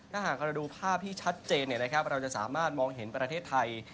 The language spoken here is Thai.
ถ้าหากเราดูภาพที่ชัดเจนเราจะสามารถมองเห็นประเทศไทย